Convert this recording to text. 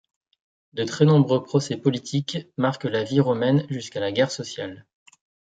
De très nombreux procès politiques marquent la vie romaine jusqu'à la guerre sociale.